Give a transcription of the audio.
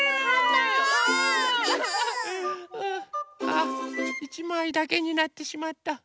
あ１まいだけになってしまった。